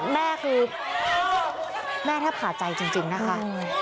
แม่คือแม่แทบขาดใจจริงนะคะ